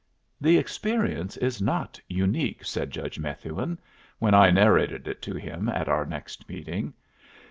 "The experience is not unique," said Judge Methuen, when I narrated it to him at our next meeting.